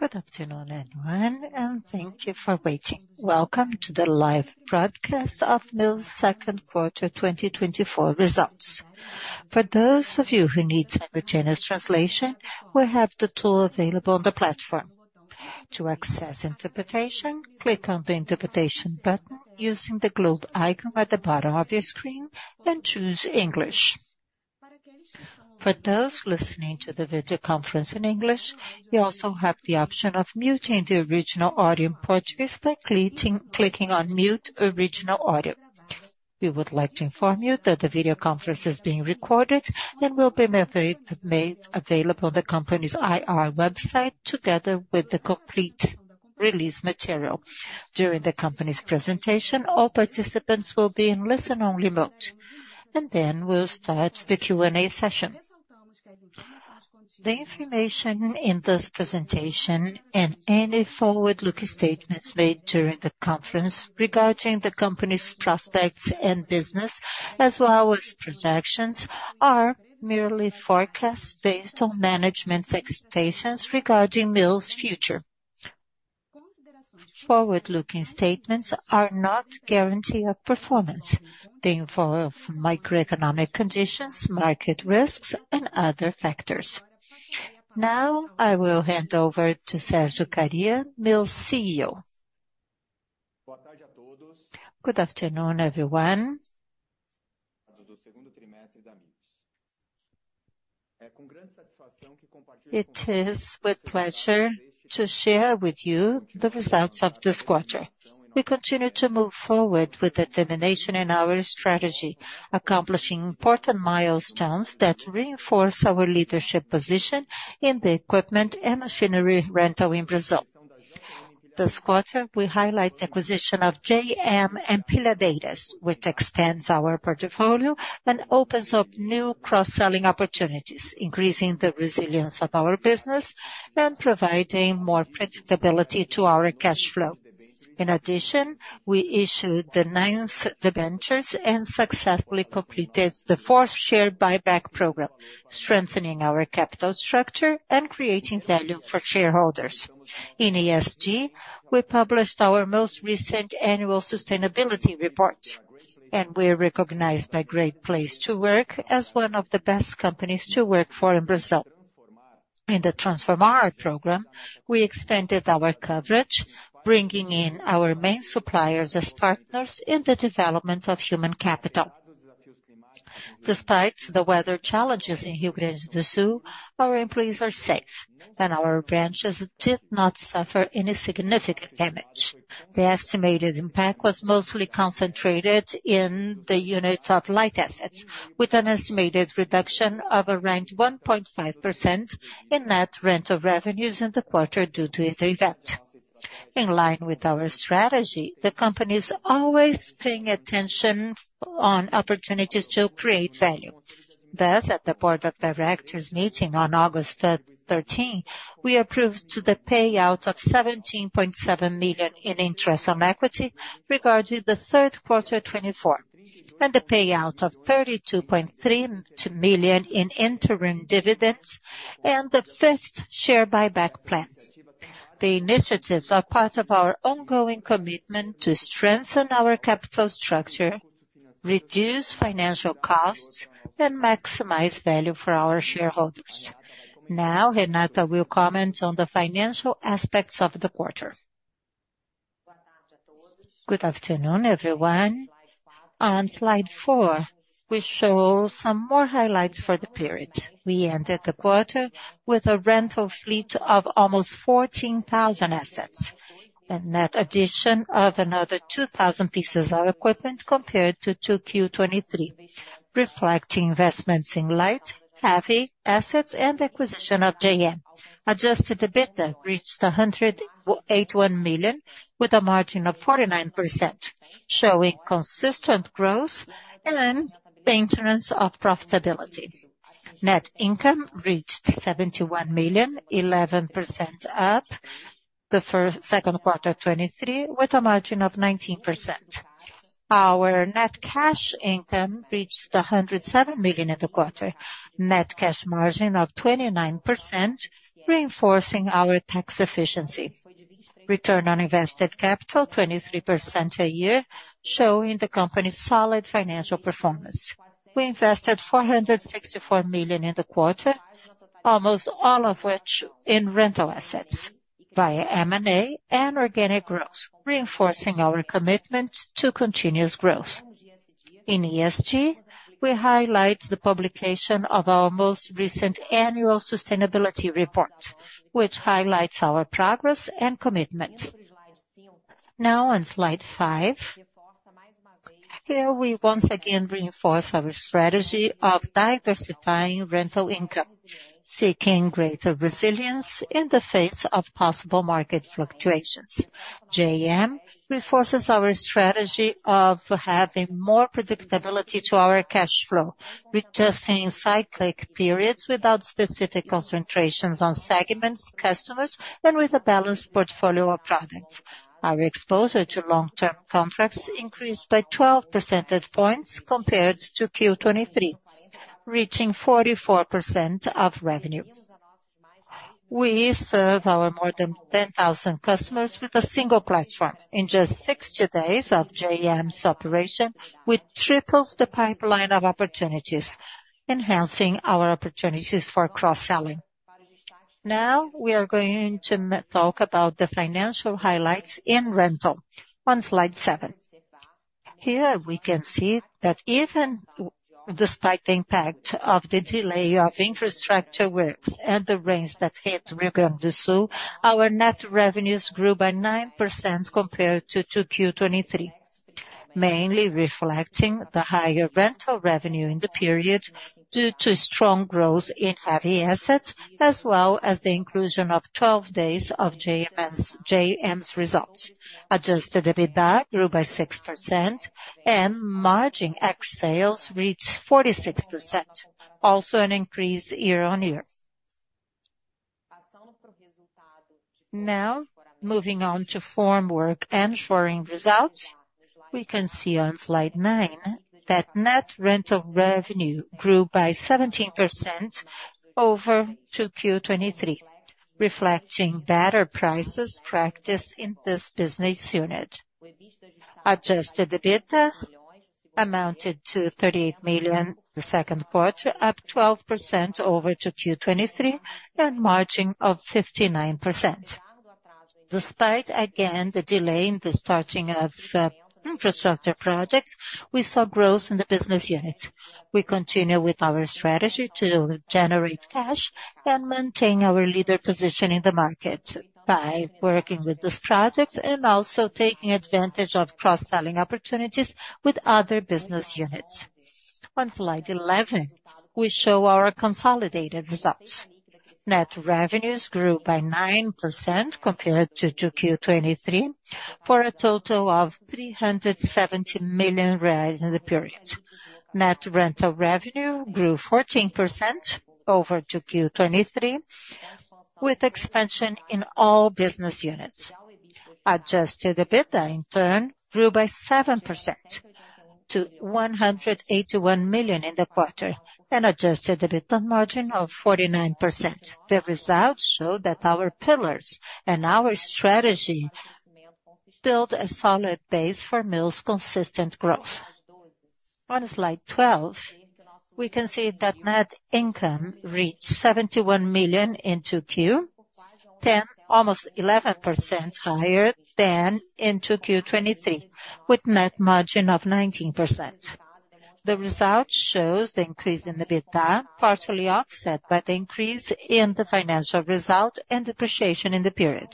Good afternoon, everyone, and thank you for waiting. Welcome to the live broadcast of Mills' second quarter 2024 results. For those of you who need simultaneous translation, we have the tool available on the platform. To access interpretation, click on the Interpretation button using the globe icon at the bottom of your screen, then choose English. For those listening to the video conference in English, you also have the option of muting the original audio in Portuguese by clicking on Mute Original Audio. We would like to inform you that the video conference is being recorded and will be made available on the company's IR website, together with the complete release material. During the company's presentation, all participants will be in listen-only mode, and then we'll start the Q&A session. The information in this presentation and any forward-looking statements made during the conference regarding the company's prospects and business, as well as projections, are merely forecasts based on management's expectations regarding Mills' future. Forward-looking statements are not a guarantee of performance. They involve macroeconomic conditions, market risks, and other factors. Now I will hand over to Sérgio Kariya, Mills' CEO. Good afternoon, everyone. It is with pleasure to share with you the results of this quarter. We continue to move forward with determination in our strategy, accomplishing important milestones that reinforce our leadership position in the equipment and machinery rental in Brazil. This quarter, we highlight the acquisition of JM Empilhadeiras, which expands our portfolio and opens up new cross-selling opportunities, increasing the resilience of our business and providing more predictability to our cash flow. In addition, we issued the ninth debentures and successfully completed the fourth share buyback program, strengthening our capital structure and creating value for shareholders. In ESG, we published our most recent annual sustainability report, and we're recognized by Great Place to Work as one of the best companies to work for in Brazil. In the Transformar program, we expanded our coverage, bringing in our main suppliers as partners in the development of human capital. Despite the weather challenges in Rio Grande do Sul, our employees are safe, and our branches did not suffer any significant damage. The estimated impact was mostly concentrated in the unit of light assets, with an estimated reduction of around 1.5% in net rental revenues in the quarter due to the event. In line with our strategy, the company is always paying attention on opportunities to create value. Thus, at the Board of Directors meeting on August thirteen, we approved the payout of 17.7 million in interest on equity regarding the third quarter 2024, and the payout of 32.32 million in interim dividends and the fifth share buyback plan. The initiatives are part of our ongoing commitment to strengthen our capital structure, reduce financial costs, and maximize value for our shareholders. Now, Renata will comment on the financial aspects of the quarter. Good afternoon, everyone. On slide 4, we show some more highlights for the period. We ended the quarter with a rental fleet of almost 14,000 assets, a net addition of another 2,000 pieces of equipment compared to 2Q 2023, reflecting investments in light assets, heavy assets and acquisition of JM. Adjusted EBITDA reached 181 million, with a margin of 49%, showing consistent growth and maintenance of profitability. Net income reached 71 million, 11% up the second quarter 2023, with a margin of 19%. Our net cash income reached 107 million in the quarter. Net cash margin of 29%, reinforcing our tax efficiency. Return on invested capital, 23% a year, showing the company's solid financial performance. We invested 464 million in the quarter, almost all of which in rental assets via M&A and organic growth, reinforcing our commitment to continuous growth. In ESG, we highlight the publication of our most recent annual sustainability report, which highlights our progress and commitment. Now, on slide five, here we once again reinforce our strategy of diversifying rental income, seeking greater resilience in the face of possible market fluctuations. JM reinforces our strategy of having more predictability to our cash flow, reducing cyclic periods without specific concentrations on segments, customers, and with a balanced portfolio of products. Our exposure to long-term contracts increased by 12 percentage points compared to 2Q 2023, reaching 44% of revenue. We serve our more than 10,000 customers with a single platform. In just 60 days of JM's operation, we tripled the pipeline of opportunities, enhancing our opportunities for cross-selling. Now, we are going to talk about the financial highlights in rental. On slide 7. Here, we can see that even despite the impact of the delay of infrastructure works and the rains that hit Rio Grande do Sul, our net revenues grew by 9% compared to Q 2023, mainly reflecting the higher rental revenue in the period due to strong growth in heavy assets, as well as the inclusion of 12 days of JM's results. Adjusted EBITDA grew by 6%, and margin ex-sales reached 46%, also an increase year-on-year. Now, moving on to formwork and shoring results, we can see on slide 9 that net rental revenue grew by 17% over Q 2023, reflecting better prices practiced in this business unit. Adjusted EBITDA amounted to 38 million the second quarter, up 12% over Q 2023, and margin of 59%. Despite, again, the delay in the starting of infrastructure projects, we saw growth in the business unit. We continue with our strategy to generate cash and maintain our leader position in the market by working with these projects and also taking advantage of cross-selling opportunities with other business units. On Slide 11, we show our consolidated results. Net revenues grew by 9% compared to Q 2023, for a total of 370 million reais in the period. Net rental revenue grew 14% over Q 2023, with expansion in all business units. Adjusted EBITDA, in turn, grew by 7% to 181 million in the quarter, and adjusted EBITDA margin of 49%. The results show that our pillars and our strategy build a solid base for Mills' consistent growth. On Slide 12, we can see that net income reached 71 million in 2Q, almost 11% higher than in 2Q 2023, with net margin of 19%. The result shows the increase in EBITDA, partially offset by the increase in the financial result and depreciation in the period.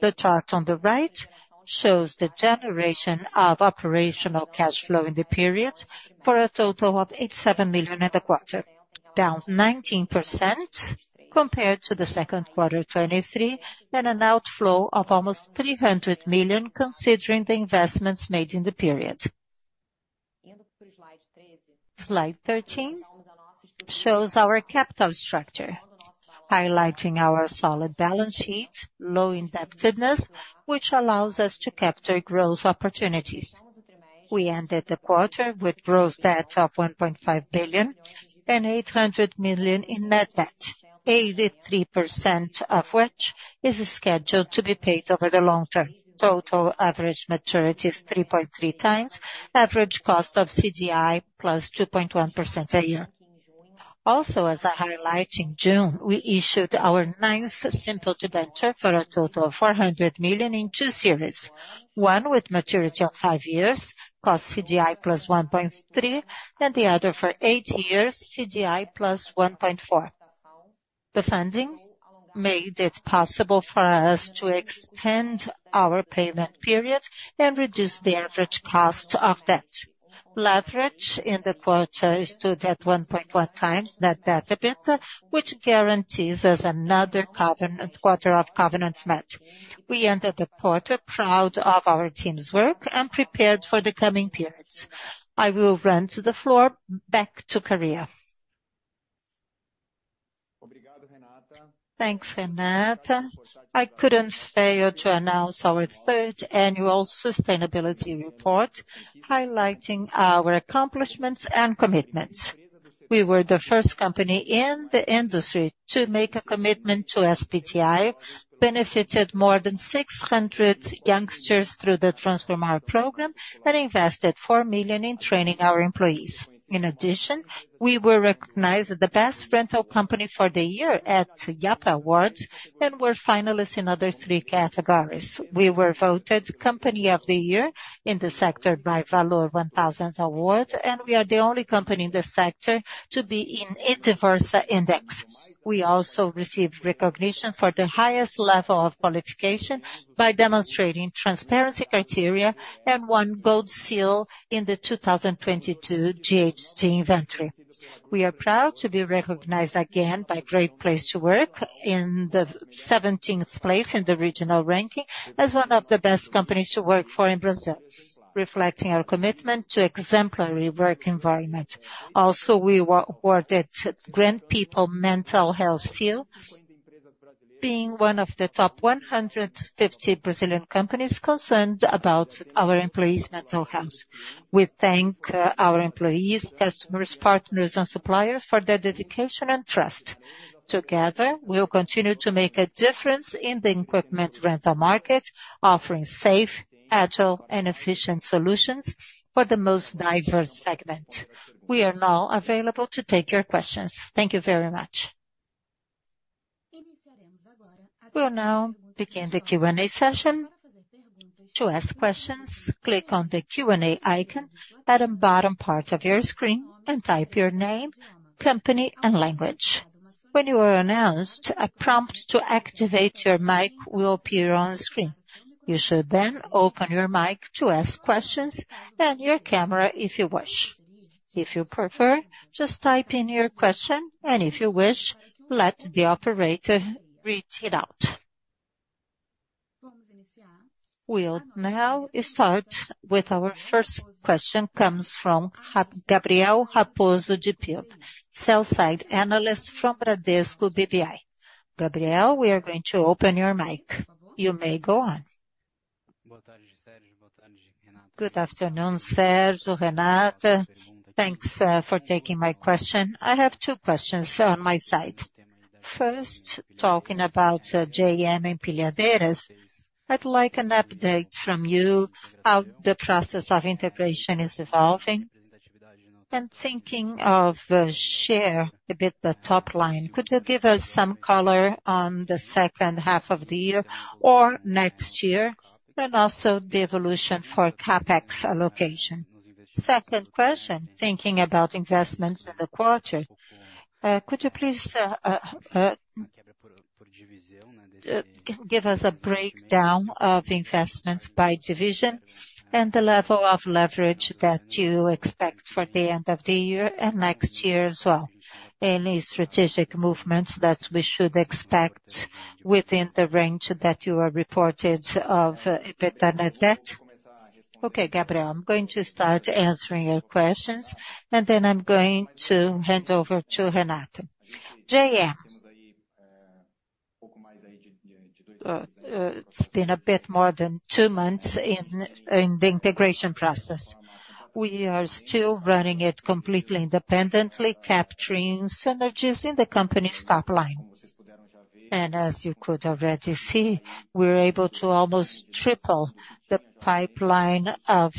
The chart on the right shows the generation of operational cash flow in the period for a total of 87 million in the quarter, down 19% compared to the second quarter of 2023, and an outflow of almost 300 million, considering the investments made in the period. Slide 13 shows our capital structure, highlighting our solid balance sheet, low indebtedness, which allows us to capture growth opportunities. We ended the quarter with gross debt of 1.5 billion and 800 million in net debt, 83% of which is scheduled to be paid over the long term. Total average maturity is 3.3 times, average cost of CDI plus 2.1% a year. Also, as I highlight, in June, we issued our ninth simple debenture for a total of 400 million in two series. One with maturity of 5 years, cost CDI plus 1.3, and the other for 8 years, CDI plus 1.4. The funding made it possible for us to extend our payment period and reduce the average cost of debt. Leverage in the quarter is stood at 1.1 times net debt to EBITDA, which guarantees us another covenant, quarter of covenants met. We ended the quarter proud of our team's work and prepared for the coming periods. I will hand the floor back to Kariya. Thanks, Renata. I couldn't fail to announce our third annual sustainability report, highlighting our accomplishments and commitments. We were the first company in the industry to make a commitment to SBTi, benefited more than 600 youngsters through the Transformar program, and invested 4 million in training our employees. In addition, we were recognized as the best rental company for the year at IAPAs, and were finalists in other three categories. We were voted Company of the Year in the sector by Prêmio Valor 1000, and we are the only company in the sector to be in IDIVERSA. We also received recognition for the highest level of qualification by demonstrating transparency criteria and won Gold Seal in the 2022 GHG inventory. We are proud to be recognized again by Great Place to Work in the seventeenth place in the regional ranking as one of the best companies to work for in Brazil, reflecting our commitment to exemplary work environment. Also, we were awarded Great People Mental Health Seal, being one of the top 150 Brazilian companies concerned about our employees' mental health. We thank, our employees, customers, partners, and suppliers for their dedication and trust. Together, we will continue to make a difference in the equipment rental market, offering safe, agile, and efficient solutions for the most diverse segment. We are now available to take your questions. Thank you very much.... We'll now begin the Q&A session. To ask questions, click on the Q&A icon at the bottom part of your screen, and type your name, company, and language. When you are announced, a prompt to activate your mic will appear on screen. You should then open your mic to ask questions, and your camera, if you wish. If you prefer, just type in your question, and if you wish, let the operator read it out. We'll now start with our first question, comes from Gabriel Raposo de Pinho, sell-side analyst from Bradesco BBI. Gabriel, we are going to open your mic. You may go on. Good afternoon, Sérgio, Renata. Thanks, for taking my question. I have two questions on my side. First, talking about, JM Empilhadeiras, I'd like an update from you, how the process of integration is evolving. And thinking of, share a bit the top line, could you give us some color on the second half of the year or next year, and also the evolution for CapEx allocation? Second question, thinking about investments in the quarter, could you please give us a breakdown of investments by division, and the level of leverage that you expect for the end of the year and next year as well? Any strategic movements that we should expect within the range that you are reported of EBITDA net debt? Okay, Gabriel, I'm going to start answering your questions, and then I'm going to hand over to Renata. JM, it's been a bit more than two months in the integration process. We are still running it completely independently, capturing synergies in the company's top line. And as you could already see, we're able to almost triple the pipeline of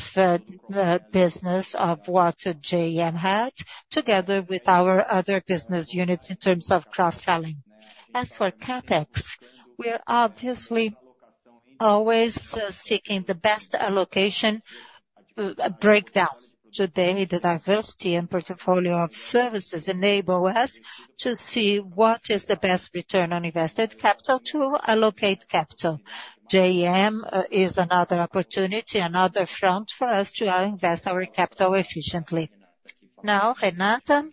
business of what JM had, together with our other business units in terms of cross-selling. As for CapEx, we are obviously always seeking the best allocation, breakdown. Today, the diversity and portfolio of services enable us to see what is the best return on invested capital to allocate capital. JM is another opportunity, another front for us to invest our capital efficiently. Now, Renata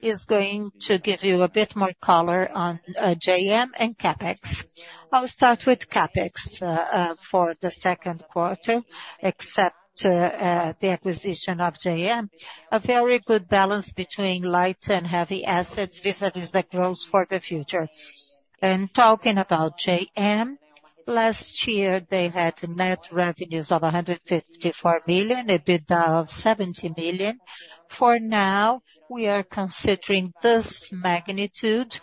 is going to give you a bit more color on JM and CapEx. I'll start with CapEx. For the second quarter, except the acquisition of JM, a very good balance between light and heavy assets, vis-a-vis the growth for the future. And talking about JM, last year they had net revenues of 154 million, EBITDA of 70 million. For now, we are considering this magnitude,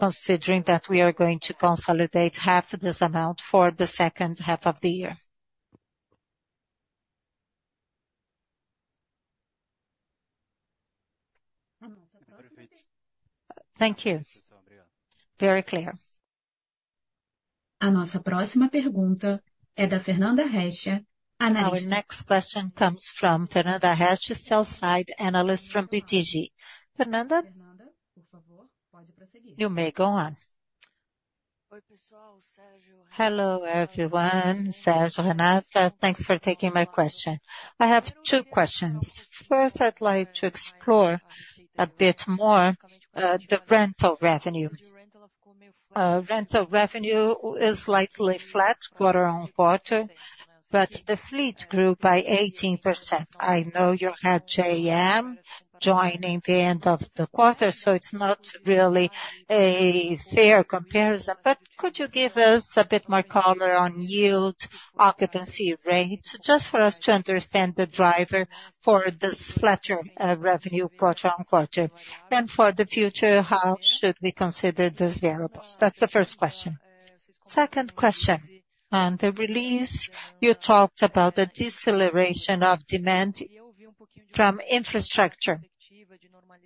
considering that we are going to consolidate half of this amount for the second half of the year. Thank you. Very clear. Our next question comes from Fernanda Rech, sell-side analyst from BTG. Fernanda, you may go on. Hello, everyone, Sérgio, Renata. Thanks for taking my question. I have two questions. First, I'd like to explore a bit more, the rental revenue. Rental revenue is slightly flat quarter-on-quarter, but the fleet grew by 18%. I know you had JM joining the end of the quarter, so it's not really a fair comparison, but could you give us a bit more color on yield, occupancy rates, just for us to understand the driver for this flatter, revenue quarter-on-quarter? And for the future, how should we consider these variables? That's the first question. Second question. On the release, you talked about the deceleration of demand from infrastructure.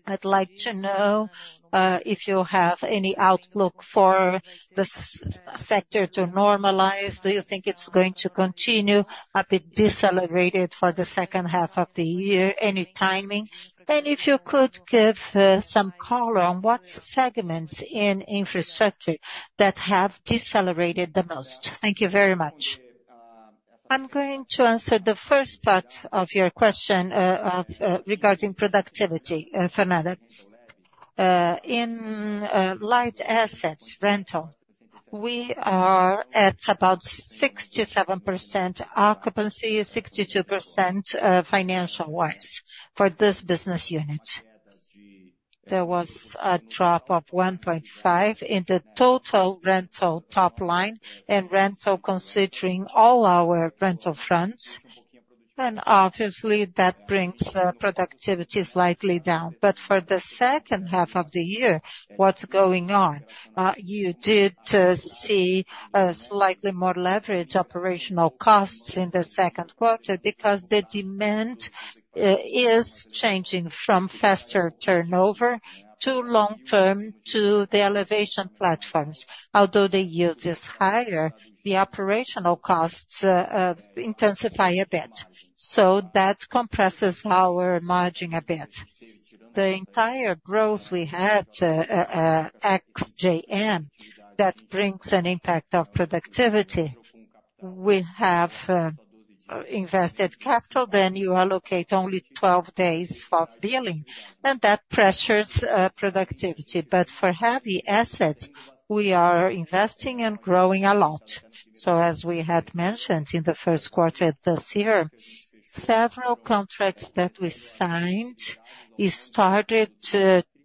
I'd like to know, if you have any outlook for this sector to normalize. Do you think it's going to continue a bit decelerated for the second half of the year? Any timing? And if you could give some color on what segments in infrastructure that have decelerated the most. Thank you very much. I'm going to answer the first part of your question regarding productivity, Fernanda. In light assets rental, we are at about 67% occupancy, 62% financial-wise, for this business unit. There was a drop of 1.5 in the total rental top line, and rental considering all our rental fronts. And obviously, that brings productivity slightly down. But for the second half of the year, what's going on? You did see slightly more leverage operational costs in the second quarter because the demand is changing from faster turnover to long-term, to the elevation platforms. Although the yield is higher, the operational costs intensify a bit. So that compresses our margin a bit. The entire growth we had ex JM, that brings an impact of productivity. We have invested capital, then you allocate only 12 days of billing, and that pressures productivity. But for heavy assets, we are investing and growing a lot. So as we had mentioned in the first quarter this year, several contracts that we signed, it started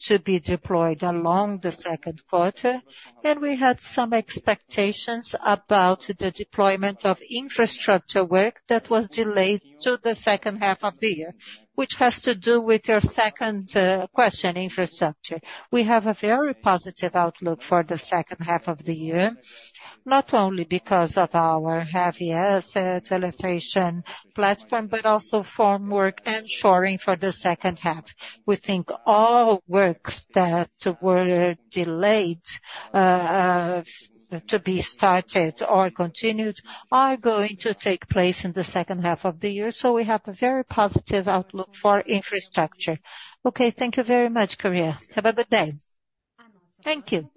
to be deployed along the second quarter, and we had some expectations about the deployment of infrastructure work that was delayed to the second half of the year, which has to do with your second question, infrastructure. We have a very positive outlook for the second half of the year, not only because of our heavy assets, elevation platform, but also formwork and shoring for the second half. We think all works that were delayed to be started or continued are going to take place in the second half of the year, so we have a very positive outlook for infrastructure. Okay, thank you very much, Kariya. Have a good day Thank you.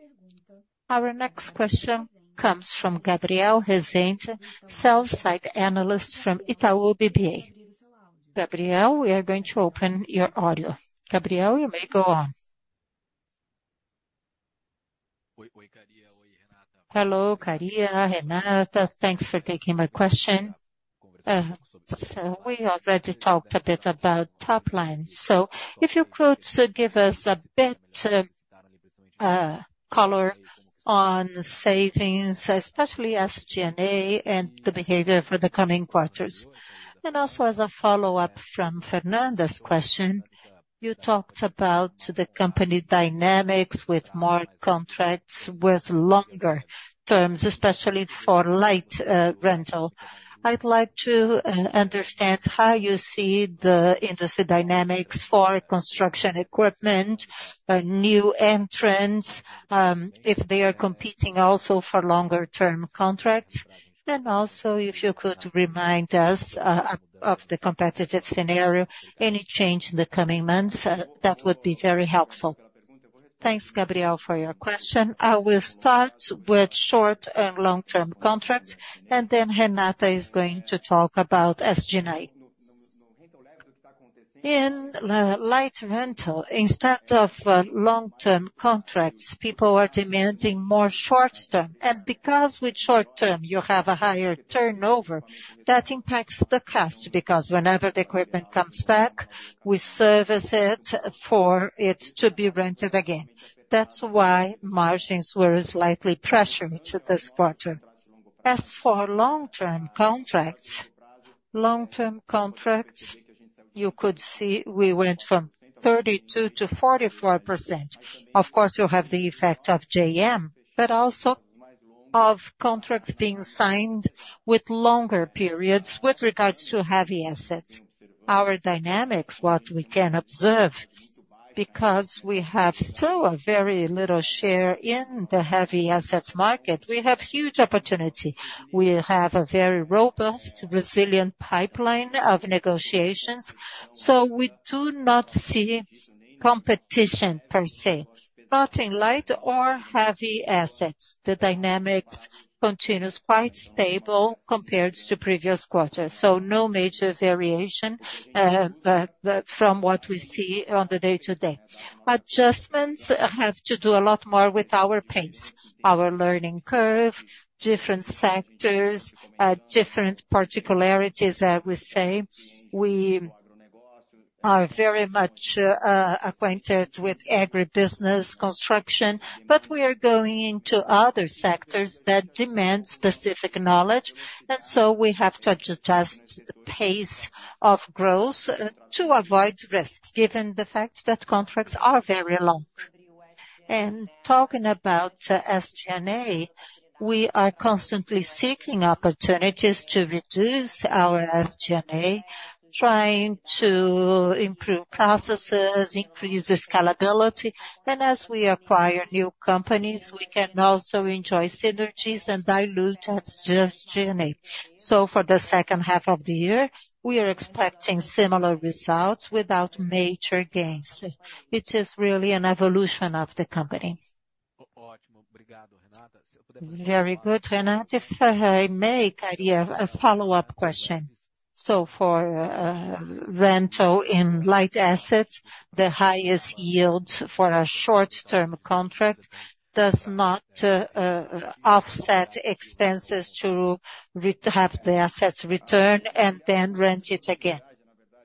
Our next question comes from Gabriel Rezende, sell-side analyst from Itaú BBA. Gabriel, we are going to open your audio. Gabriel, you may go on. Hello, Kariya, Renata, thanks for taking my question. So we already talked a bit about top line. So if you could give us a bit color on savings, especially SG&A and the behavior for the coming quarters. Also as a follow-up from Fernanda's question, you talked about the company dynamics with more contracts, with longer terms, especially for light rental. I'd like to understand how you see the industry dynamics for construction equipment, new entrants, if they are competing also for longer term contracts. Then also, if you could remind us of the competitive scenario, any change in the coming months, that would be very helpful. Thanks, Gabrielle, for your question. I will start with short and long-term contracts, and then Renata is going to talk about SG&A. In light rental, instead of long-term contracts, people are demanding more short-term. And because with short-term, you have a higher turnover, that impacts the cost, because whenever the equipment comes back, we service it for it to be rented again. That's why margins were slightly pressured this quarter. As for long-term contracts, long-term contracts, you could see we went from 32%-44%. Of course, you have the effect of JM, but also of contracts being signed with longer periods with regards to heavy assets. Our dynamics, what we can observe, because we have still a very little share in the heavy assets market, we have huge opportunity. We have a very robust, resilient pipeline of negotiations, so we do not see competition per se, not in light or heavy assets. The dynamics continues quite stable compared to previous quarters, so no major variation, from what we see on the day-to-day. Adjustments have to do a lot more with our pace, our learning curve, different sectors, different particularities that we say. We are very much acquainted with agribusiness construction, but we are going into other sectors that demand specific knowledge, and so we have to adjust the pace of growth to avoid risks, given the fact that contracts are very long. And talking about SG&A, we are constantly seeking opportunities to reduce our SG&A, trying to improve processes, increase the scalability, and as we acquire new companies, we can also enjoy synergies and dilute SG&A. So for the second half of the year, we are expecting similar results without major gains. It is really an evolution of the company. Very good, Renata. If I may, Kariya, a follow-up question. So for rental in light assets, the highest yield for a short-term contract does not offset expenses to have the assets returned and then rent it again?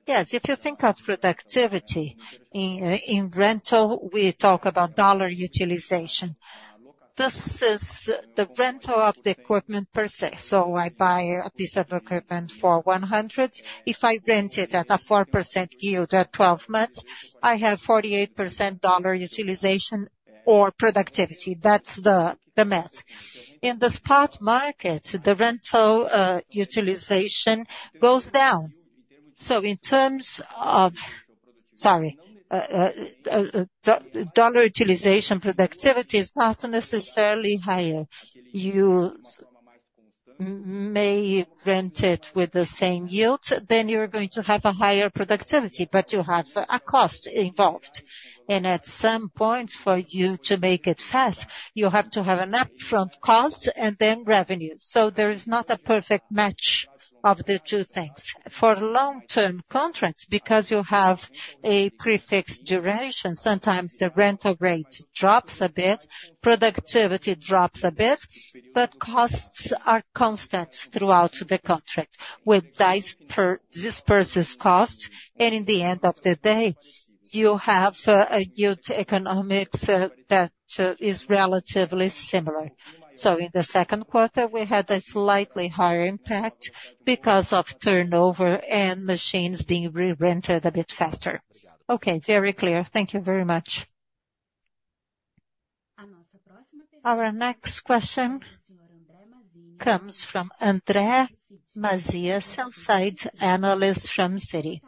Yes, if you think of productivity, in rental, we talk about dollar utilization. This is the rental of the equipment per se. So I buy a piece of equipment for $100, if I rent it at a 4% yield at 12 months, I have 48% dollar utilization or productivity. That's the math. In the spot market, the rental utilization goes down. So in terms of, sorry, dollar utilization, productivity is not necessarily higher. You may rent it with the same yield, then you're going to have a higher productivity, but you have a cost involved. And at some point, for you to make it fast, you have to have an upfront cost and then revenue, so there is not a perfect match of the two things. For long-term contracts, because you have a prefixed duration, sometimes the rental rate drops a bit, productivity drops a bit, but costs are constant throughout the contract. With dispersed costs, and in the end of the day, you have a huge economics that is relatively similar. So in the second quarter, we had a slightly higher impact because of turnover and machines being re-rented a bit faster. Okay, very clear. Thank you very much. Our next question comes from André Mazini, sell-side analyst from Citi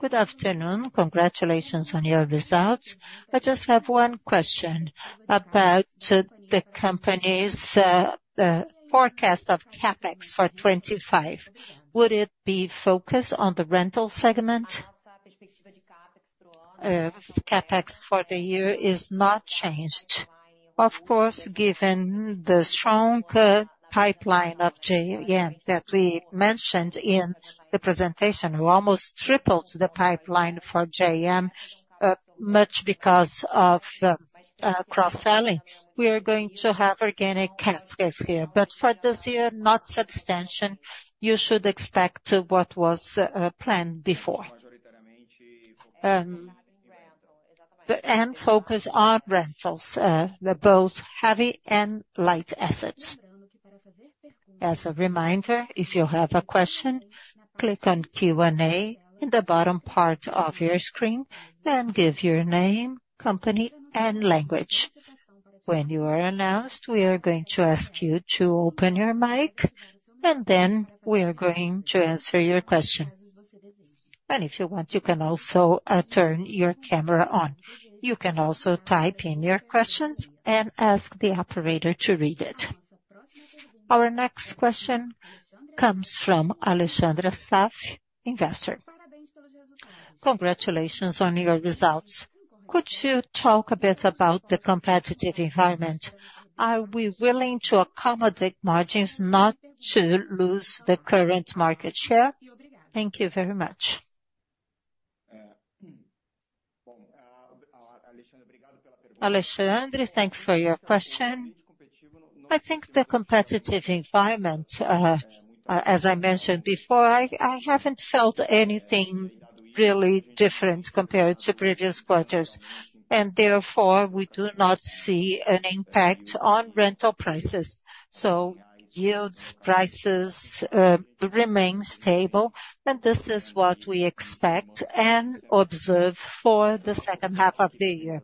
Good afternoon. Congratulations on your results. I just have one question about the company's forecast of CapEx for 2025. Would it be focused on the rental segment? CapEx for the year is not changed. Of course, given the strong pipeline of JM that we mentioned in the presentation, we almost tripled the pipeline for JM, much because of cross-selling. We are going to have organic CapEx here, but for this year, not substantial. You should expect what was planned before. And focus on rentals, the both heavy and light assets. As a reminder, if you have a question, click on Q&A in the bottom part of your screen and give your name, company, and language. When you are announced, we are going to ask you to open your mic, and then we are going to answer your question. And if you want, you can also turn your camera on. You can also type in your questions and ask the operator to read it. Our next question comes from Alexandre Stolf, investor. Congratulations on your results. Could you talk a bit about the competitive environment? Are we willing to accommodate margins not to lose the current market share? Thank you very much. Alexandre, thanks for your question. I think the competitive environment, as I mentioned before, I haven't felt anything really different compared to previous quarters, and therefore, we do not see an impact on rental prices. So yields, prices, remain stable, and this is what we expect and observe for the second half of the year.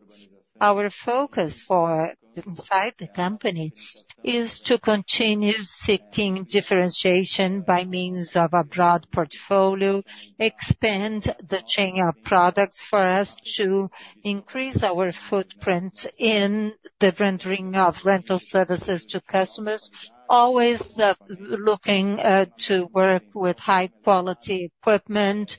Our focus for inside the company is to continue seeking differentiation by means of a broad portfolio, expand the chain of products for us to increase our footprint in the rendering of rental services to customers, always, looking, to work with high-quality equipment,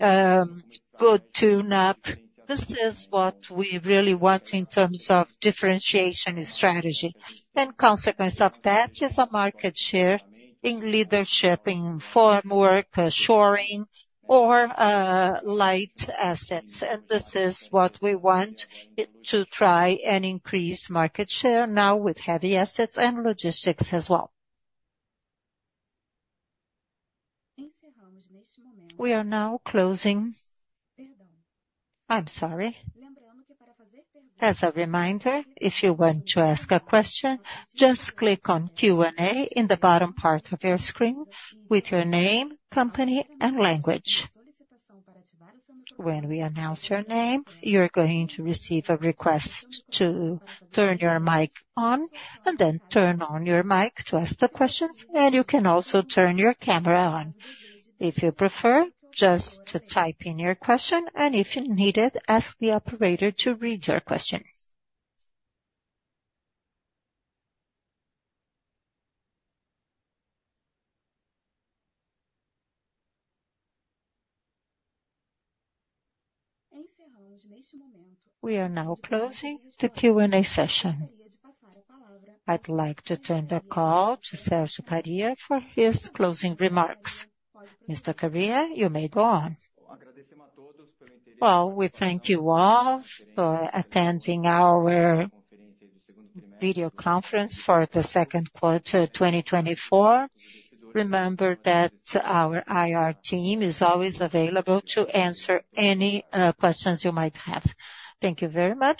good tune-up. This is what we really want in terms of differentiation and strategy. And consequence of that is a market share in leadership, in formwork, shoring, or light assets. And this is what we want it to try and increase market share now with heavy assets and logistics as well. We are now closing. I'm sorry. As a reminder, if you want to ask a question, just click on Q&A in the bottom part of your screen with your name, company, and language. When we announce your name, you're going to receive a request to turn your mic on, and then turn on your mic to ask the questions, and you can also turn your camera on. If you prefer, just type in your question, and if you need it, ask the operator to read your question. We are now closing the Q&A session. I'd like to turn the call to Sérgio Kariya for his closing remarks. Mr.Kariya, you may go on. Well, we thank you all for attending our video conference for the second quarter, 2024. Remember that our IR team is always available to answer any questions you might have. Thank you very much.